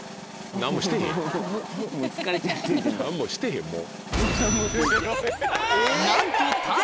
何もしてへんもう。